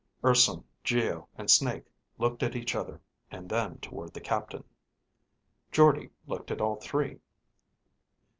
Urson, Geo, and Snake looked at each other, and then toward the captain. Jordde looked at all three.